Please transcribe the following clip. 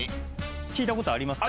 聞いた事ありますか？